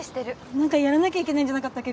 なんかやらなきゃいけないんじゃなかったっけ？